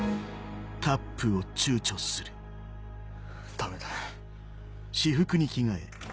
ダメだ。